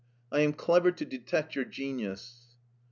I am clever to detect your genius."